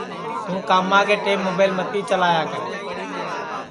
توں کاما کے ٹیم مُبیل متی چلایا کرے